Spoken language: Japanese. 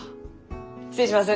失礼します。